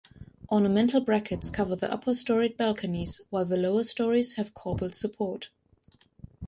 Ornamental brackets cover the upper storied balconies while the lower stories have corbelled support.